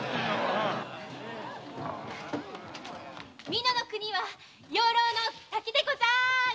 美濃の国は養老の滝でござい。